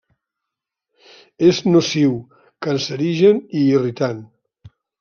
És nociu, cancerigen i irritant.